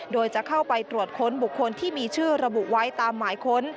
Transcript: โดยจะเข้าไปตรวจค้นบุคคลที่มีชื่อระบุไว้ตามหมายค้น